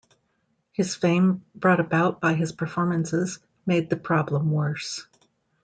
His fame, brought about by his performances, made the problem worse.